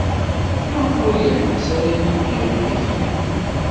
Maɣef ur yeḥbis ara Yidir akeyyef?